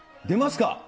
出ますか。